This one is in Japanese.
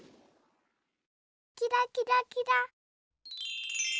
キラキラキラ。